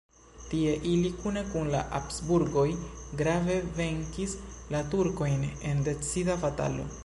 Tie ili kune kun la Habsburgoj grave venkis la turkojn en decida batalo.